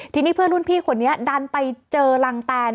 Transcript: ทีนี้เพื่อนรุ่นพี่คนนี้ดันไปเจอรังแตน